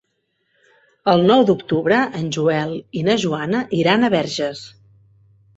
El nou d'octubre en Joel i na Joana iran a Verges.